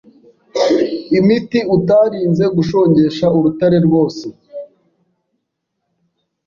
imiti utarinze gushongesha urutare rwose